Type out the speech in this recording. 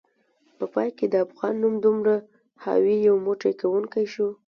په پای کې د افغان نوم دومره حاوي، یو موټی کونکی شو